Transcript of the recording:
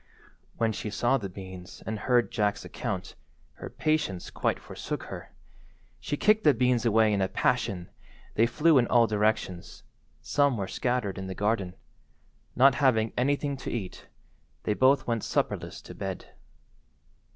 When she saw the beans and heard Jack's account, her patience quite forsook her. She kicked the beans away in a passion—they flew in all directions—some were scattered in the garden. Not having anything to eat, they both went supperless to bed.